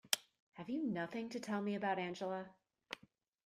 Have you nothing to tell me about Angela?